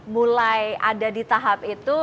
mulai ada di tahap itu